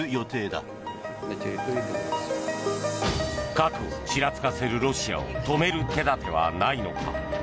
核をちらつかせるロシアを止める手立てはないのか。